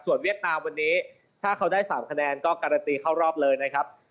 เวียดนามวันนี้ถ้าเขาได้๓คะแนนก็การันตีเข้ารอบเลยนะครับ